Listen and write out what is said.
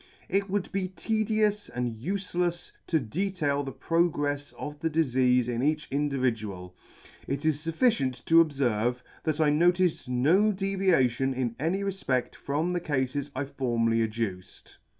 It would be tedious and ufelefs to detail the progrefs of the difeafe in each individual — it is fufficient to obferve, that I noticed no deviation in any refpeit from the Cafes I formerly adduced.